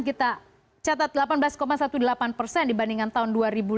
kita catat delapan belas delapan belas persen dibandingkan tahun dua ribu lima belas